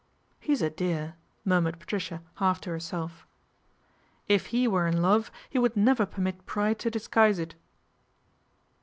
" He's a dear !" murmured Patricia half to herself. " If he were in love he would never permit pride to disguise it."